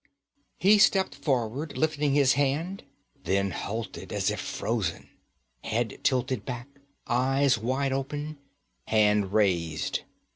He stepped forward, lifting his hand then halted as if frozen, head tilted back, eyes wide open, hand raised.